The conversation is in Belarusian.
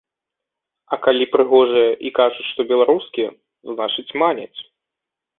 А калі прыгожыя і кажуць, што беларускія, значыць, маняць.